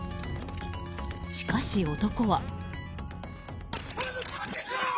しかし、男は。